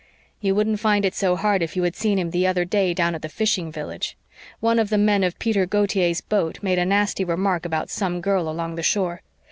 "You wouldn't find it so hard if you had seen him the other day down at the fishing village. One of the men of Peter Gautier's boat made a nasty remark about some girl along the shore.